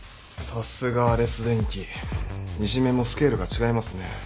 さすがアレス電機いじめもスケールが違いますね